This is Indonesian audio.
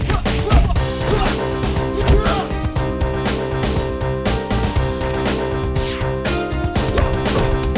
abah bangun abah